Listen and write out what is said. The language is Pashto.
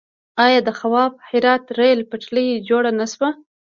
آیا د خواف هرات ریل پټلۍ جوړه نه شوه؟